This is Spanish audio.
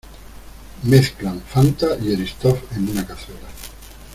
Mezclan Fanta y Eristoff en una cazuela.